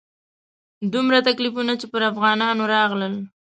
دومره تکلیفونه چې پر افغانانو راغلل.